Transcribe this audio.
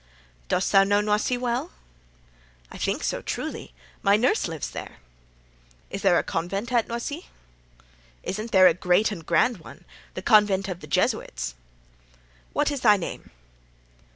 "Dost thou know Noisy well?" "I think so, truly; my nurse lives there." "Is there a convent at Noisy?" "Isn't there a great and grand one—the convent of Jesuits?" "What is thy name?"